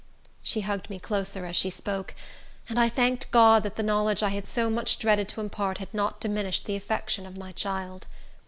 She hugged me closer as she spoke, and I thanked God that the knowledge I had so much dreaded to impart had not diminished the affection of my child.